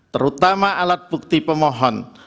terutama alat bukti pemohon